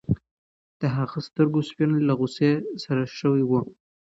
د هغه د سترګو سپین له غوسې سره شوي وو.